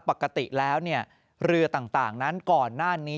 ปกติแล้วเรือต่างนั้นก่อนหน้านี้